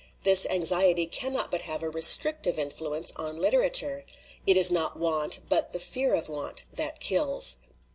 This anxiety cannot but have a restrictive influence on literature. It is not want, but the fear of want, that kills."